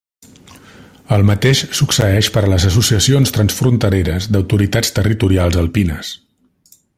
El mateix succeeix per a les associacions transfrontereres d'autoritats territorials alpines.